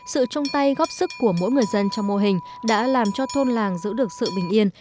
sự trong tay góp sức của mỗi người dân trong mô hình đã làm cho thôn làng giữ được sự bình yên